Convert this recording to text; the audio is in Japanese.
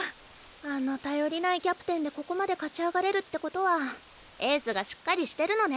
あの頼りないキャプテンでここまで勝ち上がれるってことはエースがしっかりしてるのね。